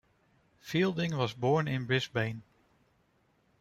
Fielding was born in Brisbane.